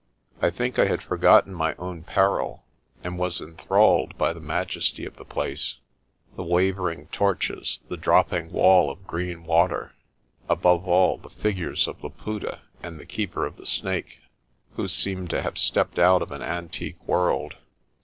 I think I had forgotten my own peril and was enthralled by the majesty of the place the wavering torches, the dropping wall of green water, above all, the figures of Laputa and the Keeper of the Snake, who seemed to have stepped out of an antique world.